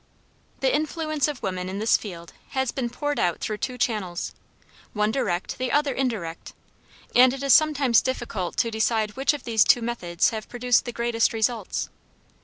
The influence of woman in this field has been poured out through two channels one direct, the other indirect; and it is sometimes difficult to decide which of these two methods have produced the greatest results.